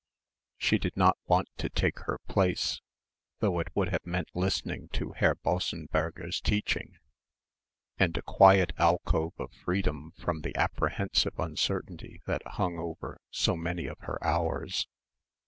She did not want to take her place, though it would have meant listening to Herr Bossenberger's teaching and a quiet alcove of freedom from the apprehensive uncertainty that hung over so many of her hours.